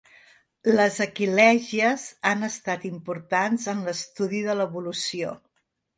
Les aquilègies han estat importants en l'estudi de l'evolució.